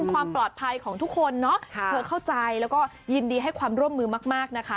ความปลอดภัยของทุกคนเนาะเธอเข้าใจแล้วก็ยินดีให้ความร่วมมือมากนะคะ